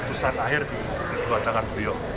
keputusan akhir di dua tangan buyok